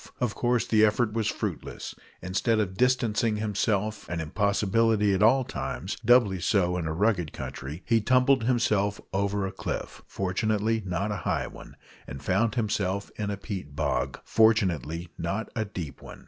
Of course the effort was fruitless. Instead of distancing himself an impossibility at all times doubly so in a rugged country he tumbled himself over a cliff, (fortunately not a high one), and found himself in a peat bog, (fortunately not a deep one).